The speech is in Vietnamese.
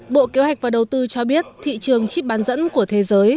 bộ kế hoạch và đầu tư cho biết thị trường chip bán dẫn của thế giới